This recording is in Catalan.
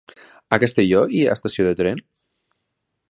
A Castelló hi ha estació de tren?